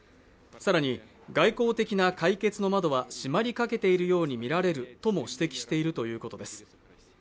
更に外交的な解決の窓は閉まりかけているようにみられるとも指摘しているということです。